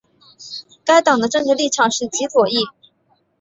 该党的政治立场是极左翼。